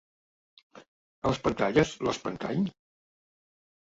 A les pantalles, l'espantall?